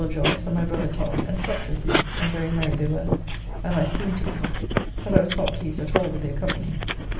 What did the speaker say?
Joyce, and my brother Tom, and supped with me, and very merry they were, and I seemed to be, but I was not pleased at all with their company.